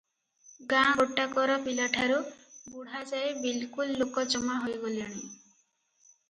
ଗାଁ ଗୋଟାକର ପିଲାଠାରୁ ବୁଢ଼ାଯାଏ ବିଲକୁଲ ଲୋକ ଜମା ହୋଇଗଲେଣି ।